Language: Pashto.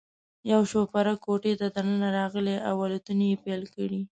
یو شوپرک کوټې ته دننه راغلی او الوتنې یې پیل کړې.